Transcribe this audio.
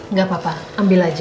nggak apa apa ambil aja